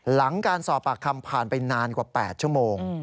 หลังการสอบปากคำผ่านไปนานกว่า๘ชั่วโมง